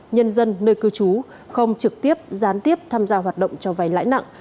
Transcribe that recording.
nhân dân nơi cư trú không trực tiếp gián tiếp tham gia hoạt động cho vay lãi nặng